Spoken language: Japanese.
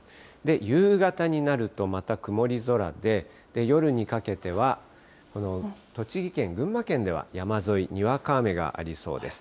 夕方になると、また曇り空で、夜にかけては、この栃木県、群馬県では山沿い、にわか雨がありそうです。